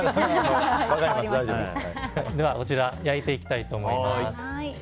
では、こちらを焼いていきたいと思います。